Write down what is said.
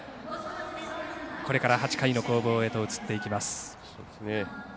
これから８回の攻防へと移っていきます。